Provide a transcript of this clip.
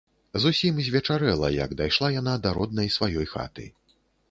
Зусім звечарэла, як дайшла яна да роднай сваёй хаты.